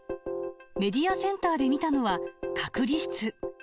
メディアセンターで見たのは、隔離室。